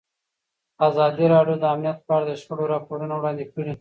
ازادي راډیو د امنیت په اړه د شخړو راپورونه وړاندې کړي.